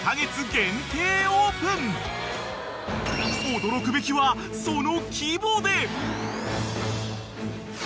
［驚くべきはその規模で］